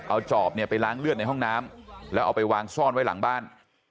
เอาจอบเนี่ยไปล้างเลือดในห้องน้ำแล้วเอาไปวางซ่อนไว้หลังบ้าน